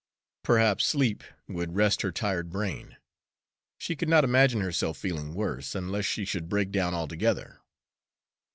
Perhaps sleep would rest her tired brain she could not imagine herself feeling worse, unless she should break down altogether.